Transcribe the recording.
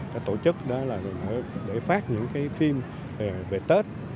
đã tổ chức để phát những cái phim về tết